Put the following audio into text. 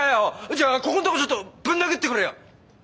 じゃあここんとこちょっとぶん殴ってくれよ。